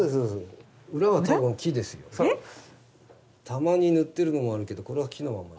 たまに塗ってるのもあるけどこれは木のまま。